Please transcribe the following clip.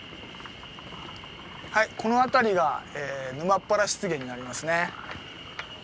はいこの辺りが沼ッ原湿原になりますね。